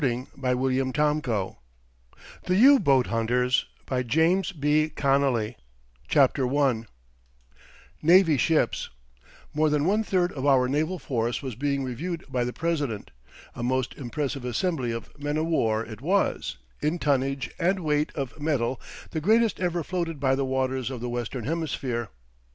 We were getting near the spot 98 In the engine room of a submarine 242 NAVY SHIPS More than one third of our naval force was being reviewed by the President. A most impressive assembly of men o' war it was, in tonnage and weight of metal the greatest ever floated by the waters of the western hemisphere.